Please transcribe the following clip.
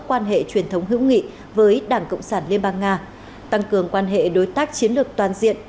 quan hệ truyền thống hữu nghị với đảng cộng sản liên bang nga tăng cường quan hệ đối tác chiến lược toàn diện